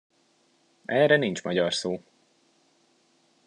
Erre nincs magyar szó.